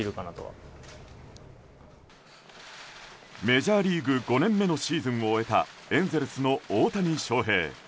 メジャーリーグ５年目のシーズンを終えたエンゼルスの大谷翔平。